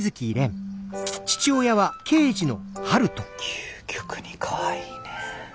究極にかわいいね。